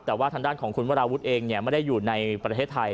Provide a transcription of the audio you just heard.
แต่ว่าทางด้านของคุณวราวุฒิเองไม่ได้อยู่ในประเทศไทย